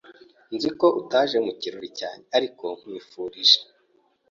Nzi ko utaje mu kirori cyanjye, ariko nkwifurije.